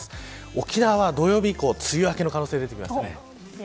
沖縄は土曜日以降梅雨明けの可能性出てきました。